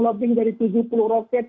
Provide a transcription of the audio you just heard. loving dari tujuh puluh roket